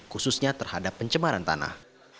khususnya terhadap pencemaran tanah